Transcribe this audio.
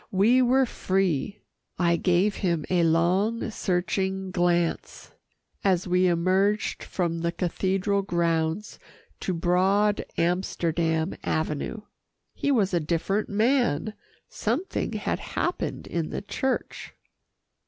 We were free. I gave him a long, searching glance, as we emerged from the cathedral grounds to broad Amsterdam Avenue. He was a different man. Something had happened in the church.